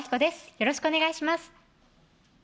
よろしくお願いします